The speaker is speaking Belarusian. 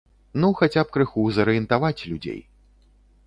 Ну хаця б крыху зарыентаваць людзей.